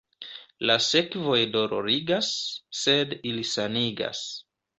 La sekvoj dolorigas, sed ili sanigas.